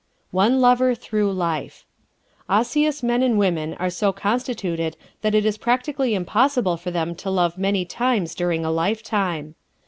One Lover Through Life ¶ Osseous men and women are so constituted that it is practically impossible for them to love many times during a lifetime.